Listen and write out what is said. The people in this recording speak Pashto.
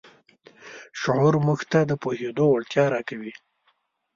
شعور موږ ته د پوهېدو وړتیا راکوي.